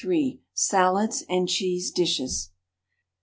XXXIII. SALADS AND CHEESE DISHES.